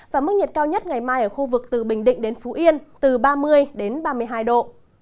và mức nhiệt cao nhất ngày mai ở khu vực từ bình định đến phú yên từ ba mươi đến ba mươi hai độ